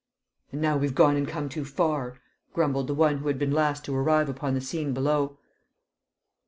"And now we've gone and come too far!" grumbled the one who had been last to arrive upon the scene below.